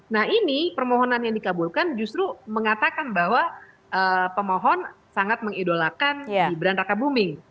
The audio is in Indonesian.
nah ini permohonan yang dikabulkan justru mengatakan bahwa pemohon sangat mengidolakan gibran raka buming